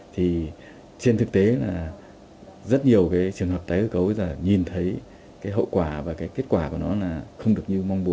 thì trên thực tế là rất nhiều cái trường hợp tái cơ cấu là nhìn thấy cái hậu quả và cái kết quả của nó là không được